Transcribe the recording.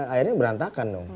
akhirnya berantakan dong